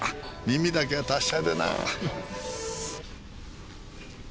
耳だけは達者でな。